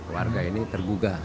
warga ini tergugah